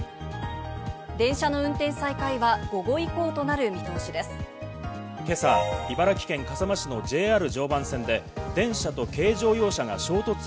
電車の運転再開は午後以降となる見通しです。